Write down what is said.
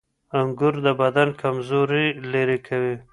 انګور د بدن کمزوري لرې کوي.